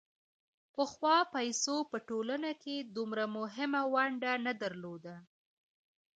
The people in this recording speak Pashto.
پخوا پیسو په ټولنه کې دومره مهمه ونډه نه درلوده